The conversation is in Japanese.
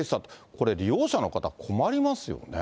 これ、利用者の方、困りますよね。